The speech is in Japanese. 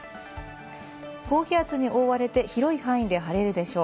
高気圧に覆われて広い範囲で晴れるでしょう。